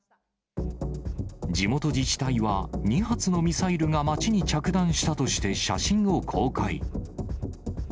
地元自治体は２発のミサイルが街に着弾したとして写真を公開。